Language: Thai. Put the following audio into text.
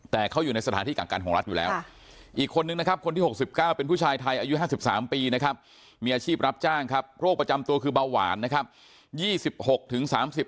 แต่เขาอยู่ในสถานที่กักกันของรัฐอยู่แล้วอีกคนนึงนะครับคนที่๖๙เป็นผู้ชายไทยอายุ๕๓ปีนะครับมีอาชีพรับจ้างครับโรคประจำตัวคือเบาหวานนะครับ